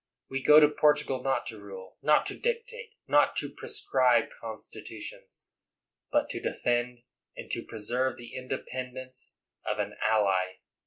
We go to Portugal not to rule, not to dictate, not to prescribe constitutions, but to defend and to preserve the independence of an ally.